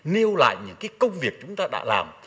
nêu lại những cái công việc chúng ta đã làm